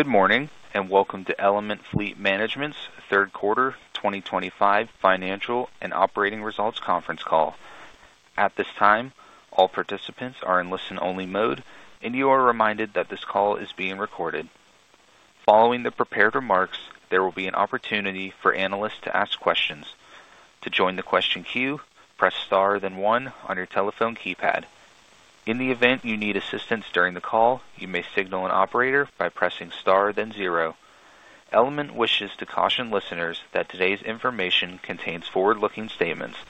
Good morning and welcome to Element Fleet Management's third quarter 2025 financial and operating results conference call. At this time, all participants are in listen-only mode, and you are reminded that this call is being recorded. Following the prepared remarks, there will be an opportunity for analysts to ask questions. To join the question queue, press star then one on your telephone keypad. In the event you need assistance during the call, you may signal an operator by pressing star then zero. Element wishes to caution listeners that today's information contains forward-looking statements.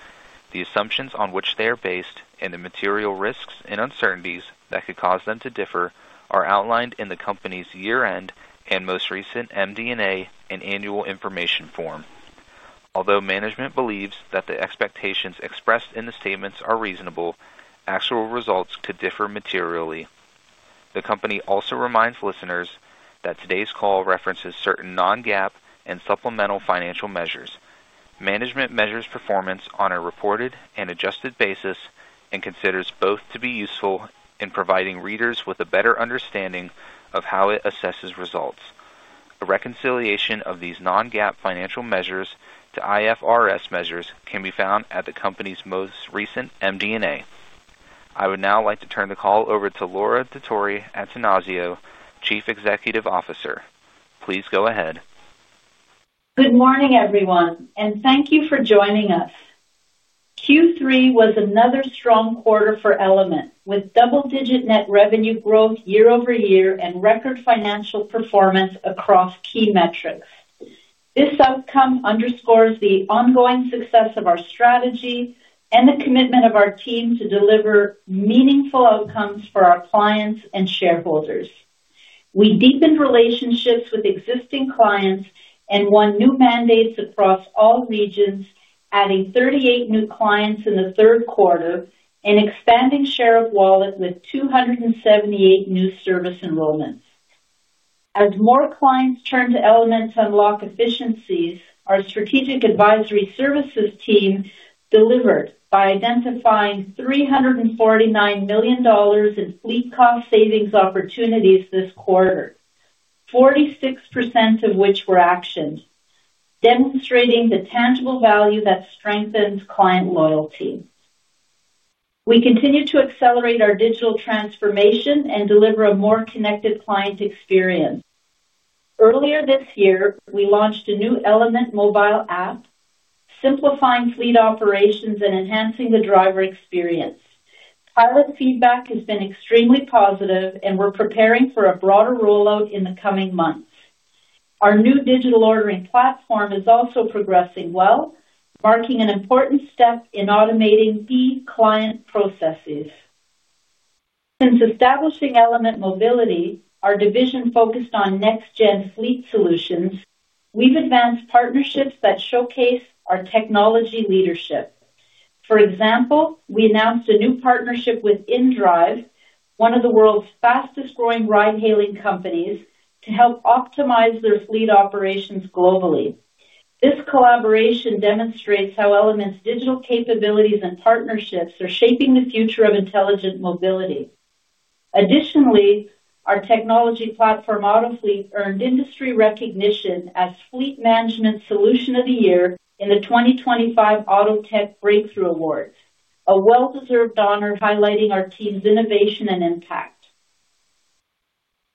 The assumptions on which they are based and the material risks and uncertainties that could cause them to differ are outlined in the company's year-end and most recent MD&A and annual information form. Although management believes that the expectations expressed in the statements are reasonable, actual results could differ materially. The company also reminds listeners that today's call references certain Non-GAAP and supplemental financial measures. Management measures performance on a reported and adjusted basis and considers both to be useful in providing readers with a better understanding of how it assesses results. A reconciliation of these Non-GAAP financial measures to IFRS measures can be found at the company's most recent MD&A. I would now like to turn the call over to Laura Dottori-Attanasio, Chief Executive Officer. Please go ahead. Good morning, everyone, and thank you for joining us. Q3 was another strong quarter for Element, with double-digit net revenue growth year over year and record financial performance across key metrics. This outcome underscores the ongoing success of our strategy and the commitment of our team to deliver meaningful outcomes for our clients and shareholders. We deepened relationships with existing clients and won new mandates across all regions, adding 38 new clients in the third quarter and expanding share of wallet with 278 new service enrollments. As more clients turn to Element to unlock efficiencies, our strategic advisory services team delivered by identifying $349 million in fleet cost savings opportunities this quarter, 46% of which were actioned, demonstrating the tangible value that strengthens client loyalty. We continue to accelerate our digital transformation and deliver a more connected client experience. Earlier this year, we launched a new Element mobile app, simplifying fleet operations and enhancing the driver experience. Pilot feedback has been extremely positive, and we're preparing for a broader rollout in the coming months. Our new digital ordering platform is also progressing well, marking an important step in automating key client processes. Since establishing Element Mobility, our division focused on next-gen fleet solutions, we've advanced partnerships that showcase our technology leadership. For example, we announced a new partnership with InDrive, one of the world's fastest-growing ride-hailing companies, to help optimize their fleet operations globally. This collaboration demonstrates how Element's digital capabilities and partnerships are shaping the future of intelligent mobility. Additionally, our technology platform, AutoFleet, earned industry recognition as Fleet Management Solution of the Year in the 2025 AutoTech Breakthrough Awards, a well-deserved honor highlighting our team's innovation and impact.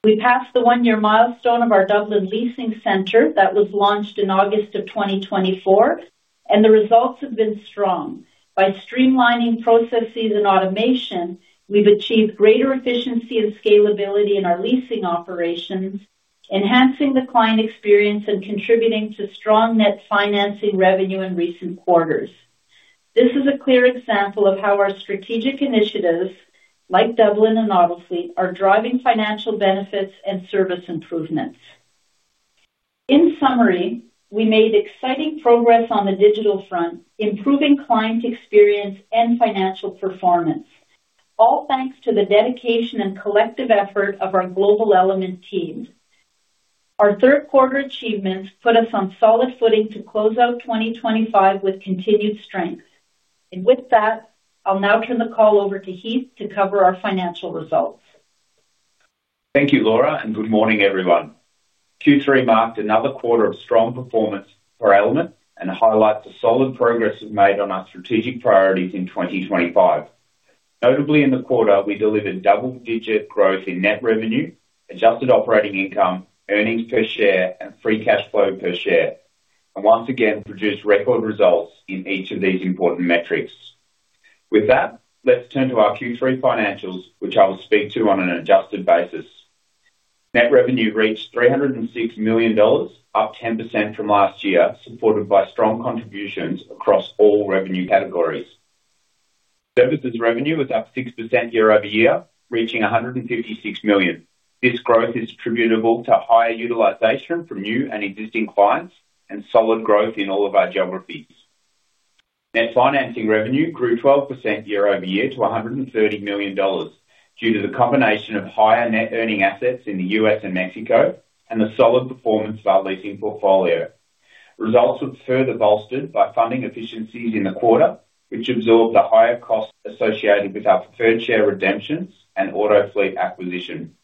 We passed the one-year milestone of our Dublin Leasing Center that was launched in August of 2024, and the results have been strong. By streamlining processes and automation, we've achieved greater efficiency and scalability in our leasing operations, enhancing the client experience and contributing to strong net financing revenue in recent quarters. This is a clear example of how our strategic initiatives like Dublin and AutoFleet are driving financial benefits and service improvements. In summary, we made exciting progress on the digital front, improving client experience and financial performance, all thanks to the dedication and collective effort of our global Element team. Our third-quarter achievements put us on solid footing to close out 2025 with continued strength. With that, I'll now turn the call over to Heath to cover our financial results. Thank you, Laura, and good morning, everyone. Q3 marked another quarter of strong performance for Element and highlights the solid progress we've made on our strategic priorities in 2025. Notably, in the quarter, we delivered double-digit growth in net revenue, adjusted operating income, earnings per share, and free cash flow per share, and once again produced record results in each of these important metrics. With that, let's turn to our Q3 financials, which I will speak to on an adjusted basis. Net revenue reached $306 million, up 10% from last year, supported by strong contributions across all revenue categories. Services revenue was up 6% year over year, reaching $156 million. This growth is attributable to higher utilization from new and existing clients and solid growth in all of our geographies. Net financing revenue grew 12% year over year to $130 million due to the combination of higher net earning assets in the U.S. and Mexico and the solid performance of our leasing portfolio. Results were further bolstered by funding efficiencies in the quarter, which absorbed the higher costs associated with our preferred share redemptions and AutoFleet acquisition.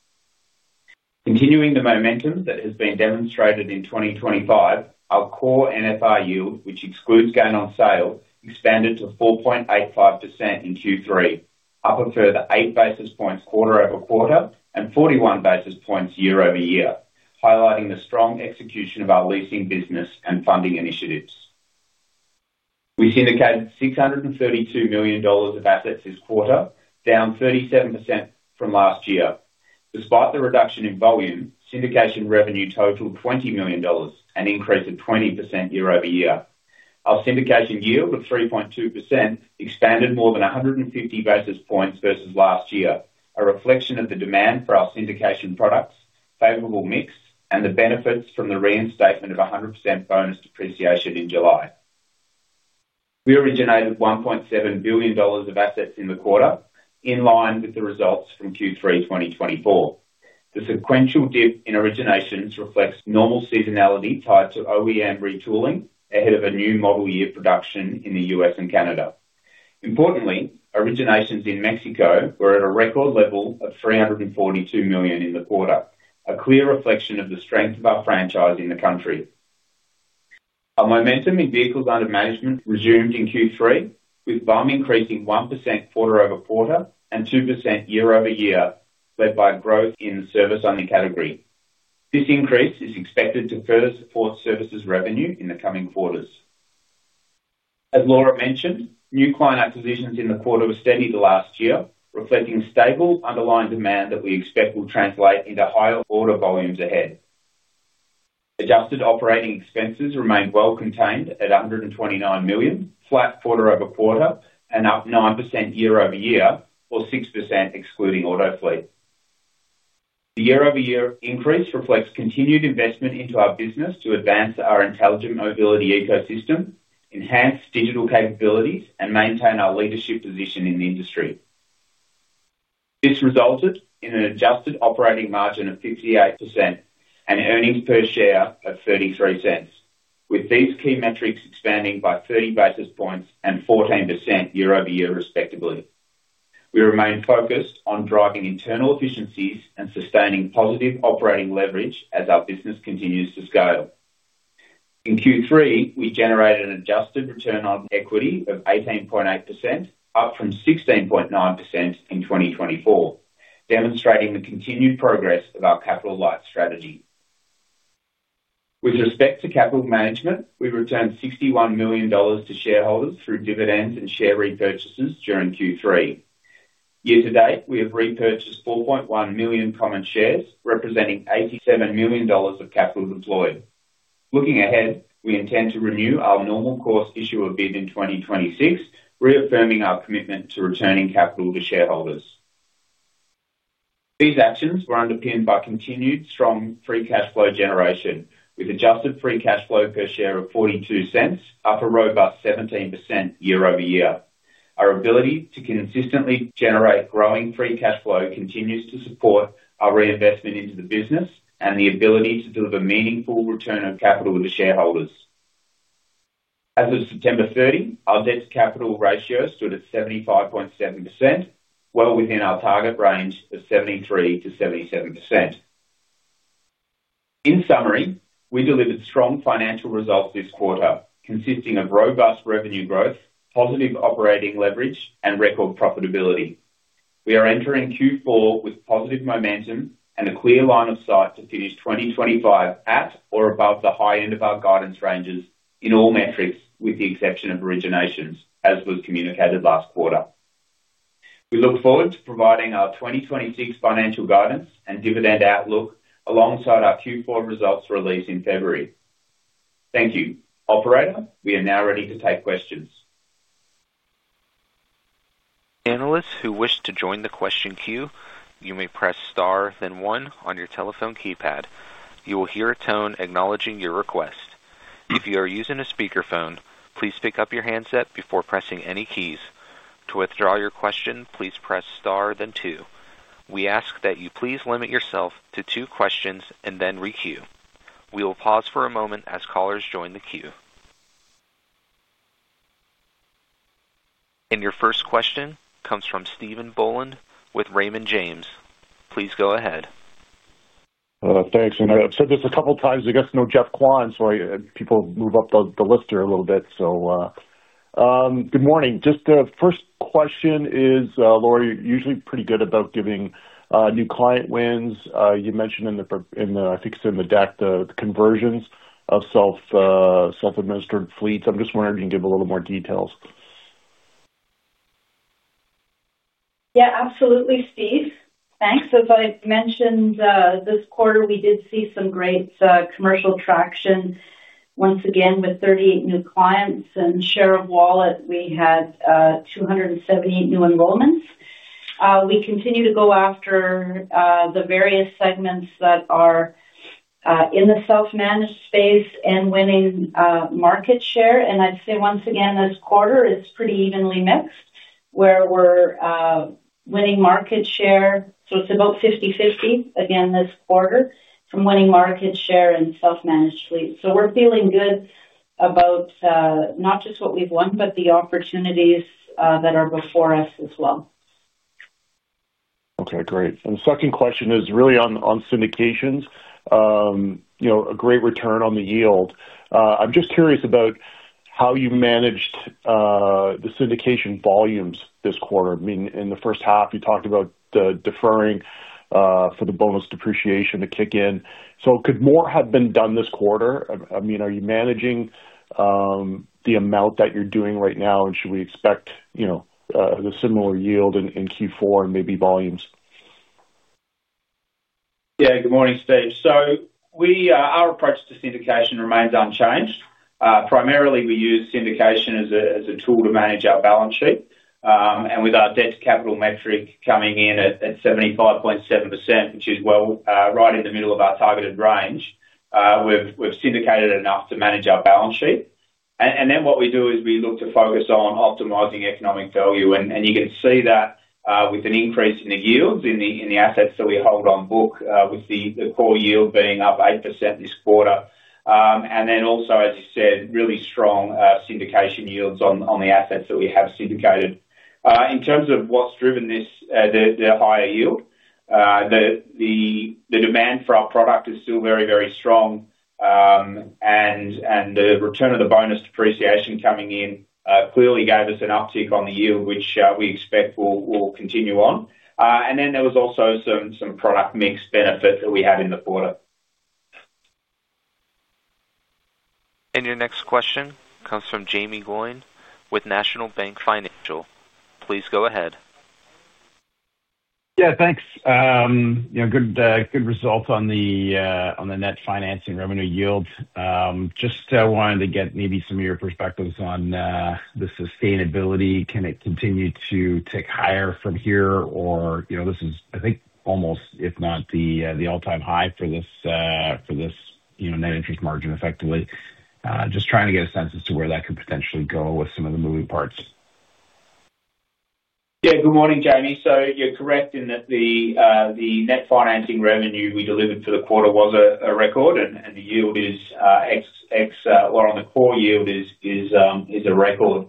Continuing the momentum that has been demonstrated in 2025, our core NFR yield, which excludes gain on sale, expanded to 4.85% in Q3, up a further eight basis points quarter over quarter and 41 basis points year over year, highlighting the strong execution of our leasing business and funding initiatives. We syndicated $632 million of assets this quarter, down 37% from last year. Despite the reduction in volume, syndication revenue totaled $20 million and increased at 20% year over year. Our syndication yield of 3.2% expanded more than 150 basis points versus last year, a reflection of the demand for our syndication products, favorable mix, and the benefits from the reinstatement of 100% bonus depreciation in July. We originated $1.7 billion of assets in the quarter, in line with the results from Q3 2024. The sequential dip in originations reflects normal seasonality tied to OEM retooling ahead of a new model year production in the U.S. and Canada. Importantly, originations in Mexico were at a record level of $342 million in the quarter, a clear reflection of the strength of our franchise in the country. Our momentum in vehicles under management resumed in Q3, with VUM increasing 1% quarter over quarter and 2% year over year, led by growth in the service under category. This increase is expected to further support services revenue in the coming quarters. As Laura mentioned, new client acquisitions in the quarter were steady the last year, reflecting stable underlying demand that we expect will translate into higher order volumes ahead. Adjusted operating expenses remained well-contained at $129 million, flat quarter over quarter, and up 9% year over year, or 6% excluding AutoFleet. The year-over-year increase reflects continued investment into our business to advance our intelligent mobility ecosystem, enhance digital capabilities, and maintain our leadership position in the industry. This resulted in an adjusted operating margin of 58% and earnings per share of $0.33, with these key metrics expanding by 30 basis points and 14% year over year, respectively. We remain focused on driving internal efficiencies and sustaining positive operating leverage as our business continues to scale. In Q3, we generated an adjusted return on equity of 18.8%, up from 16.9% in 2024, demonstrating the continued progress of our capital-light strategy. With respect to capital management, we returned $61 million to shareholders through dividends and share repurchases during Q3. Year to date, we have repurchased 4.1 million common shares, representing $87 million of capital deployed. Looking ahead, we intend to renew our normal course issue of bid in 2026, reaffirming our commitment to returning capital to shareholders. These actions were underpinned by continued strong free cash flow generation, with adjusted free cash flow per share of $0.42, up a robust 17% year over year. Our ability to consistently generate growing free cash flow continues to support our reinvestment into the business and the ability to deliver meaningful return of capital to shareholders. As of September 30, our debt-to-capital ratio stood at 75.7%, well within our target range of 73-77%. In summary, we delivered strong financial results this quarter, consisting of robust revenue growth, positive operating leverage, and record profitability. We are entering Q4 with positive momentum and a clear line of sight to finish 2025 at or above the high end of our guidance ranges in all metrics, with the exception of originations, as was communicated last quarter. We look forward to providing our 2026 financial guidance and dividend outlook alongside our Q4 results released in February. Thank you. Operator, we are now ready to take questions. Analysts who wish to join the question queue, you may press star then one on your telephone keypad. You will hear a tone acknowledging your request. If you are using a speakerphone, please pick up your handset before pressing any keys. To withdraw your question, please press star then two. We ask that you please limit yourself to two questions and then re-queue. We will pause for a moment as callers join the queue. Your first question comes from Stephen Boland with Raymond James. Please go ahead. Thanks. I've said this a couple of times. I guess, you know, Jeff Quan, people move up the list here a little bit. Good morning. The first question is, Laura, you're usually pretty good about giving new client wins. You mentioned in the, I think it's in the deck, the conversions of self-administered fleets. I'm just wondering if you can give a little more details. Yeah, absolutely, Steve. Thanks. As I mentioned, this quarter, we did see some great commercial traction. Once again, with 38 new clients and share of wallet, we had 278 new enrollments. We continue to go after the various segments that are in the self-managed space and winning market share. I'd say, once again, this quarter is pretty evenly mixed, where we're winning market share. It's about 50/50, again, this quarter, from winning market share and self-managed fleets. We're feeling good about not just what we've won, but the opportunities that are before us as well. Okay, great. The second question is really on syndications. You know, a great return on the yield. I'm just curious about how you managed the syndication volumes this quarter. I mean, in the first half, you talked about deferring for the bonus depreciation to kick in. Could more have been done this quarter? I mean, are you managing the amount that you're doing right now, and should we expect, you know, a similar yield in Q4 and maybe volumes? Yeah, good morning, Steve. Our approach to syndication remains unchanged. Primarily, we use syndication as a tool to manage our balance sheet. With our debt-to-capital metric coming in at 75.7%, which is right in the middle of our targeted range, we've syndicated enough to manage our balance sheet. What we do is we look to focus on optimizing economic value. You can see that with an increase in the yields in the assets that we hold on book, with the core yield being up 8% this quarter. Also, as you said, really strong syndication yields on the assets that we have syndicated. In terms of what's driven this, the higher yield, the demand for our product is still very, very strong. The return of the bonus depreciation coming in clearly gave us an uptick on the yield, which we expect will continue on. There was also some product mix benefit that we had in the quarter. Your next question comes from Jaeme Gloyn with National Bank Financial. Please go ahead. Yeah, thanks. You know, good result on the net financing revenue yield. Just wanted to get maybe some of your perspectives on the sustainability. Can it continue to tick higher from here? You know, this is, I think, almost, if not the all-time high for this net interest margin, effectively. Just trying to get a sense as to where that could potentially go with some of the moving parts. Yeah, good morning, Jaeme. You're correct in that the net financing revenue we delivered for the quarter was a record, and the yield is X, or on the core yield is a record.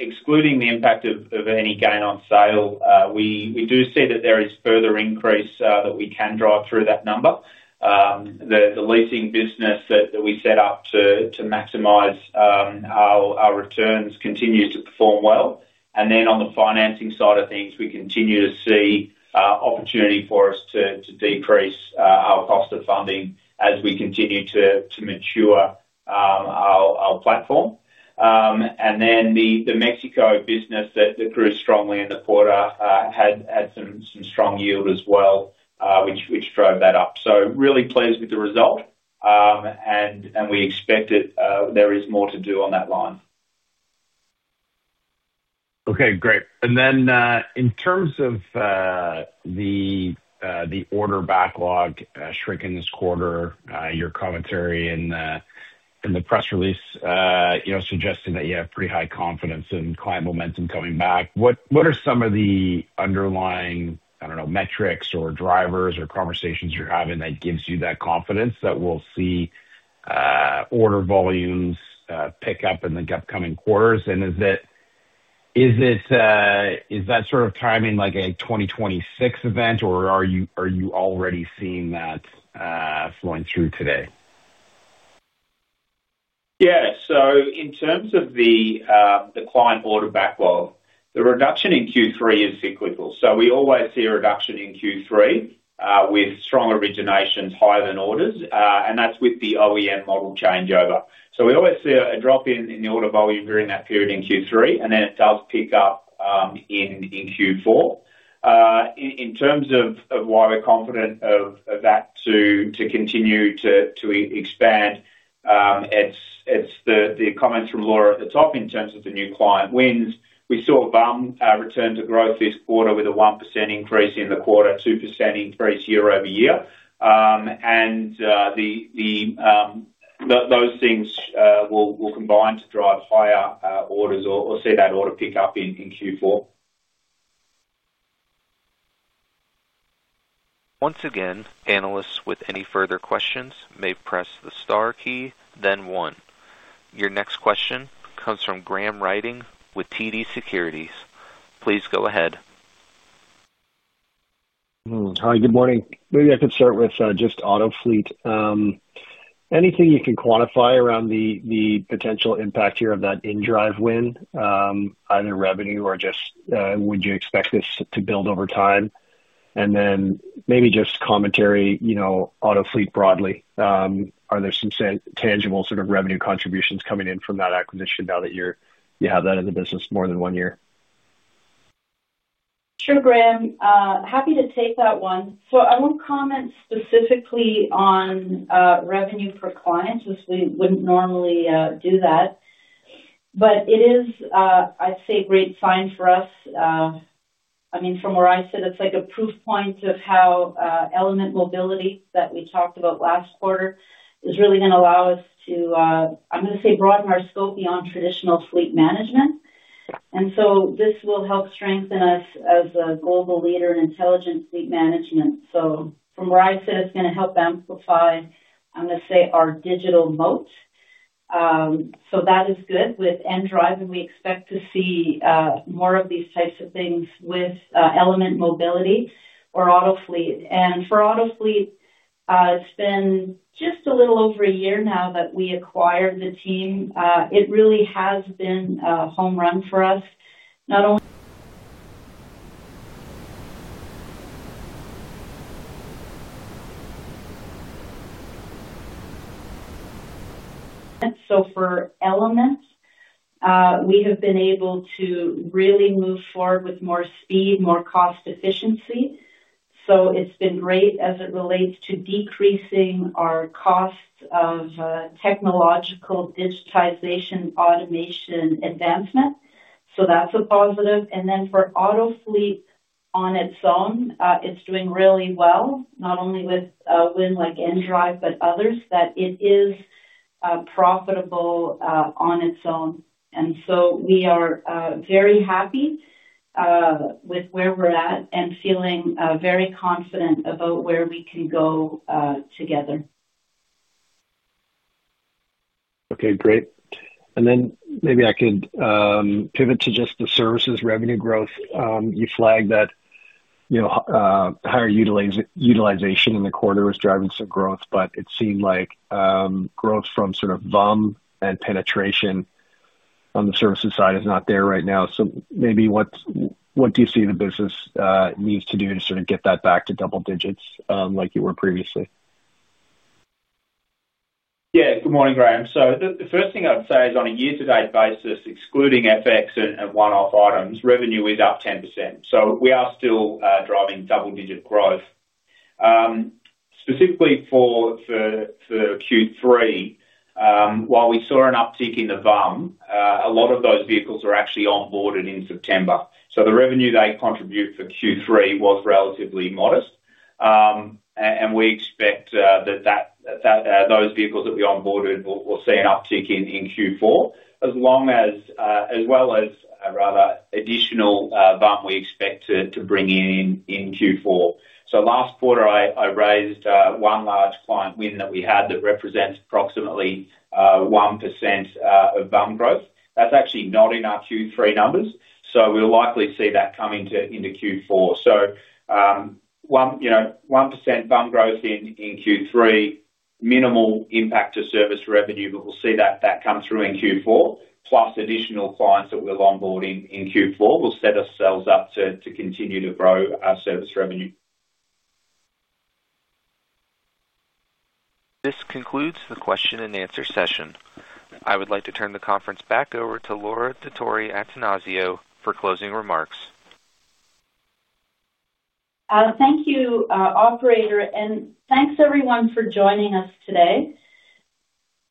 Excluding the impact of any gain on sale, we do see that there is further increase that we can drive through that number. The leasing business that we set up to maximize our returns continues to perform well. On the financing side of things, we continue to see opportunity for us to decrease our cost of funding as we continue to mature our platform. The Mexico business that grew strongly in the quarter had some strong yield as well, which drove that up. Really pleased with the result, and we expect that there is more to do on that line. Okay, great. In terms of the order backlog shrinking this quarter, your commentary in the press release, you know, suggesting that you have pretty high confidence in client momentum coming back. What are some of the underlying, I don't know, metrics or drivers or conversations you're having that gives you that confidence that we'll see order volumes pick up in the upcoming quarters? Is that sort of timing like a 2026 event, or are you already seeing that flowing through today? Yeah. In terms of the client order backlog, the reduction in Q3 is cyclical. We always see a reduction in Q3 with strong originations higher than orders, and that is with the OEM model changeover. We always see a drop in the order volume during that period in Q3, and then it does pick up in Q4. In terms of why we are confident of that to continue to expand, it is the comments from Laura at the top in terms of the new client wins. We saw VUM return to growth this quarter with a 1% increase in the quarter, a 2% increase year over year. Those things will combine to drive higher orders or see that order pick up in Q4. Once again, analysts with any further questions may press the star key, then one. Your next question comes from Graham Ryding with TD Securities. Please go ahead. Hi, good morning. Maybe I could start with just AutoFleet. Anything you can quantify around the potential impact here of that InDrive win, either revenue or just would you expect this to build over time? Maybe just commentary, you know, AutoFleet broadly. Are there some tangible sort of revenue contributions coming in from that acquisition now that you have that as a business more than one year? Sure, Graham. Happy to take that one. I won't comment specifically on revenue per client, as we wouldn't normally do that. It is, I'd say, a great sign for us. I mean, from where I sit, it's like a proof point of how Element Mobility that we talked about last quarter is really going to allow us to, I'm going to say, broaden our scope beyond traditional fleet management. This will help strengthen us as a global leader in intelligent fleet management. From where I sit, it's going to help amplify, I'm going to say, our digital moat. That is good with InDrive, and we expect to see more of these types of things with Element Mobility or AutoFleet. For AutoFleet, it's been just a little over a year now that we acquired the team. It really has been a home run for us, not only. For Element, we have been able to really move forward with more speed, more cost efficiency. It has been great as it relates to decreasing our costs of technological digitization automation advancement. That is a positive. For AutoFleet on its own, it is doing really well, not only with a win like InDrive, but others, that it is profitable on its own. We are very happy with where we are at and feeling very confident about where we can go together. Okay, great. Maybe I could pivot to just the services revenue growth. You flagged that, you know, higher utilization in the quarter was driving some growth, but it seemed like growth from sort of VUM and penetration on the services side is not there right now. Maybe what do you see the business needs to do to sort of get that back to double digits like you were previously? Yeah, good morning, Graham. The first thing I'd say is on a year-to-date basis, excluding FX and one-off items, revenue is up 10%. We are still driving double-digit growth. Specifically for Q3, while we saw an uptick in the VUM, a lot of those vehicles were actually onboarded in September. The revenue they contribute for Q3 was relatively modest. We expect that those vehicles that we onboarded will see an uptick in Q4, as well as additional VUM we expect to bring in in Q4. Last quarter, I raised one large client win that we had that represents approximately 1% of VUM growth. That's actually not in our Q3 numbers. We'll likely see that come into Q4. 1% VUM growth in Q3, minimal impact to service revenue, but we'll see that come through in Q4, plus additional clients that we'll onboard in Q4 will set ourselves up to continue to grow our service revenue. This concludes the question-and-answer session. I would like to turn the conference back over to Laura Dottori-Attanasio for closing remarks. Thank you, operator. Thank you, everyone, for joining us today.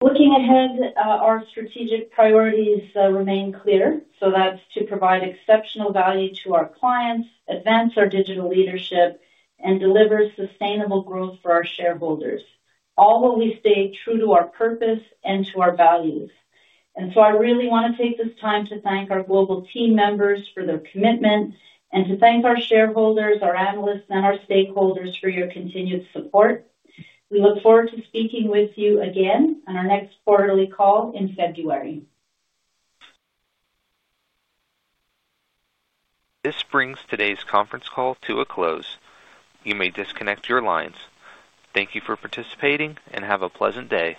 Looking ahead, our strategic priorities remain clear. That is to provide exceptional value to our clients, advance our digital leadership, and deliver sustainable growth for our shareholders, all while we stay true to our purpose and to our values. I really want to take this time to thank our global team members for their commitment and to thank our shareholders, our analysts, and our stakeholders for your continued support. We look forward to speaking with you again on our next quarterly call in February. This brings today's conference call to a close. You may disconnect your lines. Thank you for participating and have a pleasant day.